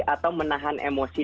atau menahan emosi